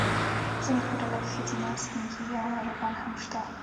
زموږ په ډله کې ښځینه، سپین ږیري او ناروغان هم شته.